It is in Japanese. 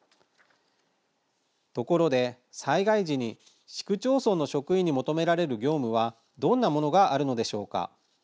ところで災害時に市区町村の職員に求められる業務はどんなものがあるのでしょうか。